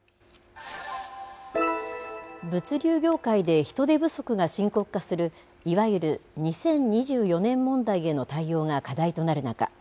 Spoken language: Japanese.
物流業界で人手不足が深刻化するいわゆる２０２４年問題への対応が課題となる中